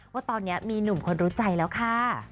ว่าตอนนี้มีหนุ่มคนรู้ใจแล้วค่ะ